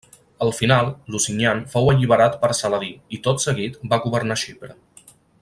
Al final Lusignan fou alliberat per Saladí i, tot seguit, va governar Xipre.